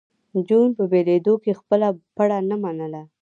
جون په بېلېدو کې خپله پړه نه منله